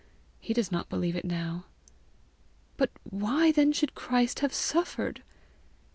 He does not believe it now." "But why then should Christ have suffered?"